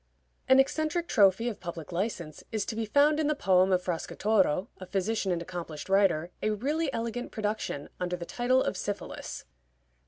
An eccentric trophy of public license is to be found in the poem of Fracastoro, a physician and accomplished writer a really elegant production under the title of Syphilis.